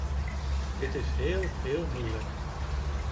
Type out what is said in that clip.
Dit is heel, heel moeilijk.